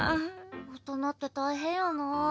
大人って大変やな。